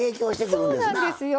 そうなんですよ。